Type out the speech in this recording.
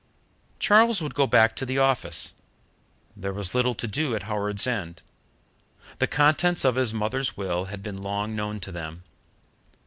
Charles would go back to the office. There was little to do at Howards End. The contents of his mother's will had been long known to them.